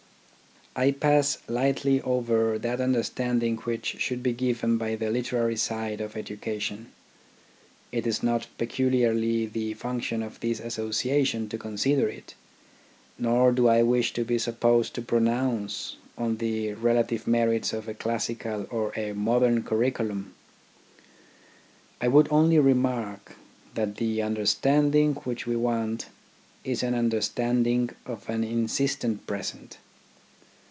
I pass lightly over that understanding which should be given by the literary side of education. It is not peculiarly the function of this Associa tion to consider it. Nor do I wish to be supposed to pronounce on the relative merits of a classical or a modern curriculum. I would only remark that the understanding which we want is an understanding of an insistent present.